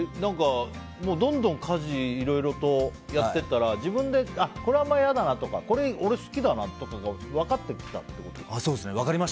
どんどん、家事いろいろとやっていったら自分でこれはやだなとかこれは好きだなとか分かってきたってことですか？